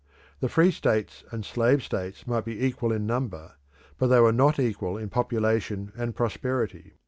The free states and slave states might be equal in number; but they were not equal in population and prosperity.